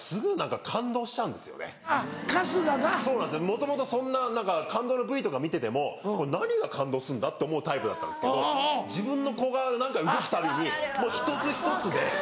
もともと感動のＶＴＲとか見てても何が感動するんだ？って思うタイプだったんですけど自分の子が動くたびにもう一つ一つで。